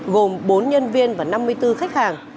gồm bốn nhân viên và năm mươi bốn khách hàng